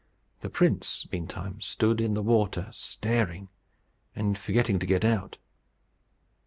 The prince, meantime, stood in the water, staring, and forgetting to get out.